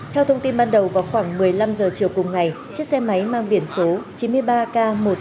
theo thông tin ban đầu vào khoảng một mươi năm h chiều cùng ngày chiếc xe máy mang biển số chín mươi ba k một mươi tám nghìn một trăm ba mươi bảy